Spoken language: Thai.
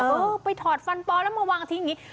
เออไปถอดฟันปลอมแล้วมาวางทิ้งอย่างนี้